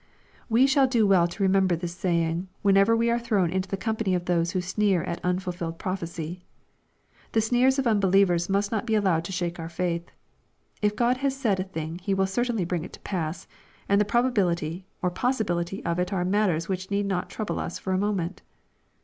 We shall do well to remember this saying, whenever we are thrown into the company of those who sneer at unfulfilled prophecy. The sneers of unbelievers must not be allowed to shake our faith. If God has said a thing He will certainly bring it to pass, and the probabil ity or possibility of it are matters which need not trou ble us for a moment.